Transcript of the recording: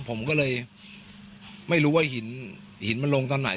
ผมก็เลยไม่รู้ว่าหินหินมันลงตอนไหน